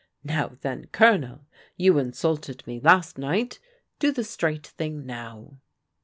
Now then, Colondi you insulted me last night, do the straight thing now."